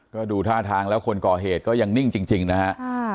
ก็ดูท่าทางแล้วคนก่อเหตุก็ยังนิ่งจริงนะฮะ